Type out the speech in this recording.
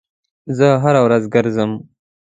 زه هر ورځ ګرځم